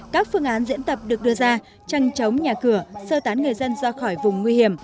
các phương án diễn tập được đưa ra trăng chống nhà cửa sơ tán người dân ra khỏi vùng nguy hiểm